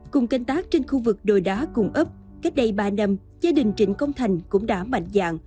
cùng canh tác trên khu vực đồi đá cùng ấp cách đây ba năm gia đình trịnh công thành cũng đã mạnh dạng